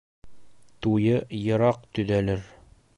Туйы йыраҡ төҙәлер.